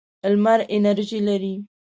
لمر انرژي لري.